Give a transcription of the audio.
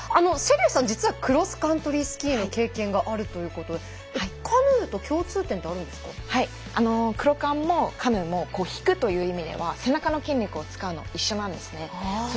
瀬立さん、実はクロスカントリースキーの経験があるということでクロカンもカヌーも引くという意味では背中の筋肉を使うのは一緒なんですね。